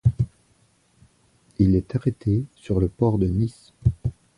Il est arrêté sur le port de Nice.